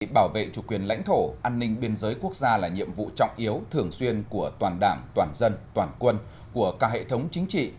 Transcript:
bảo vệ chủ quyền lãnh thổ an ninh biên giới quốc gia là nhiệm vụ trọng yếu thường xuyên của toàn đảng toàn dân toàn quân của cả hệ thống chính trị